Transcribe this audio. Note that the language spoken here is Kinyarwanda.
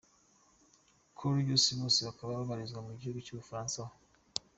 Coolious" bose bakaba babarizwa mu gihugu cy'Ubufaransa aho.